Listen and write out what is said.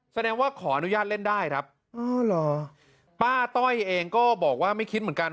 แสดงว่าขออนุญาตเล่นได้ครับอ๋อเหรอป้าต้อยเองก็บอกว่าไม่คิดเหมือนกัน